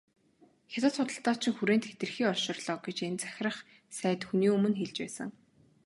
Хятад худалдаачин хүрээнд хэтэрхий олширлоо гэж энэ захирах сайд үүний өмнө хэлж байсан.